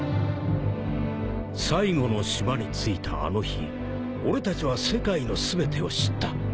［最後の島に着いたあの日俺たちは世界の全てを知った］